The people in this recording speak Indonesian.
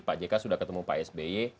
pak jk sudah ketemu pak sby